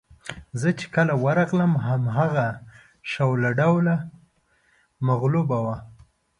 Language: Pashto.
زه چې کله ورغلم هماغه شوله ډوله مغلوبه وه.